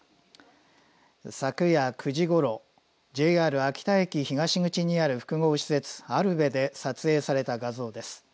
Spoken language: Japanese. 昨夜９時ごろＪＲ秋田駅東口にある複合施設ＡＬＶＥで撮影された画像です。